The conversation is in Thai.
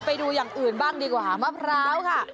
ไปดูอย่างอื่นบ้างดีกว่าค่ะมะพร้าวค่ะ